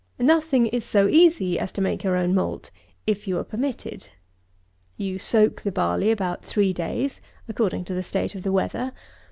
Nothing is so easy as to make your own malt, if you were permitted. You soak the barley about three days (according to the state of the weather.)